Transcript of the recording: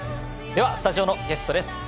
では、スタジオのゲストです。